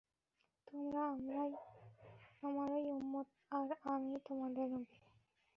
তোমরা আমারই উম্মত আর আমিই তোমাদের নবী।